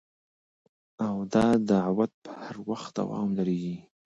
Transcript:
او دا دعوت به هر وخت دوام لري